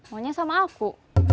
maunya sama aku